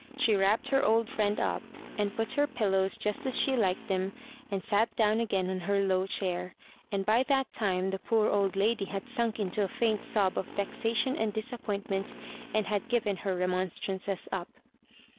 She wrapped her old friend up, and put her pillows just as she liked them, and sat down again on her low chair, and by that time the poor old lady had sunk into a faint sob of vexation and disappointment, and had given her remonstrances up.